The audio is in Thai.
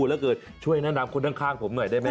หรือหากเกิดช่วยนำช่วยคนข้างผมไหนได้ไหม